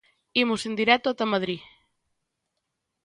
Imos en directo ata Madrid.